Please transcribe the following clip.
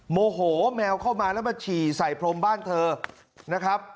โมโหแมวเข้ามาแล้วมาฉี่ใส่พรมบ้านเธอนะครับ